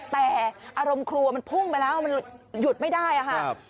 แต่อารมณ์ครัวมันพุ่งไปแล้วมันหยุดไม่ได้ค่ะ